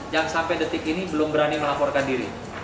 yang sampai detik ini belum berani melaporkan diri